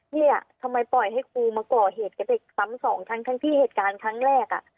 เนี่ยทำไมปล่อยให้ครูมาก่อเหตุกับเด็กซ้ำสองทั้งที่เหตุการณ์ครั้งแรกอ่ะ